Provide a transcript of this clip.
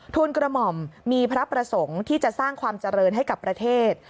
ทุนกระหม่อมมีพระประสงค์ที่จะสร้างความเจริญให้กับประเทศ